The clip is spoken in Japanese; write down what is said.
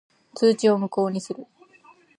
通知を無効にする。